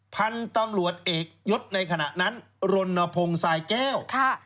พันธุ์ตำรวจเอกยศในขณะนั้นรณพงศ์สายแก้ว